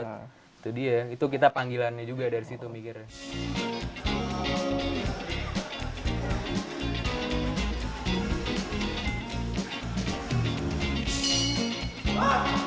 nah itu dia itu kita panggilannya juga dari situ mikirnya